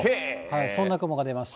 そんな雲が出ました。